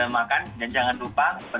makan dan jangan lupa